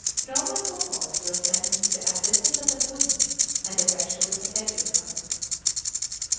Roman cohorts were sent to the assistance of the Queen, and effectually protected her.